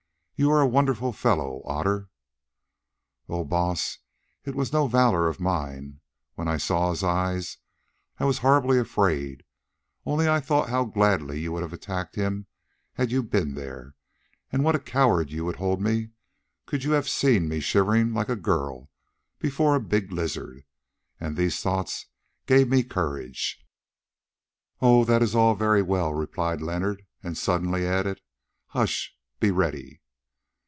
"You are a wonderful fellow, Otter." "Oh, Baas! it was no valour of mine; when I saw his eyes I was horribly afraid, only I thought how gladly you would have attacked him had you been there, and what a coward you would hold me, could you have seen me shivering like a little girl before a big lizard, and these thoughts gave me courage." "Oh, that is all very well!" replied Leonard, and suddenly added, "Hush! be ready!"